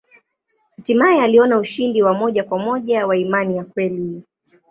Hatimaye aliona ushindi wa moja kwa moja wa imani ya kweli.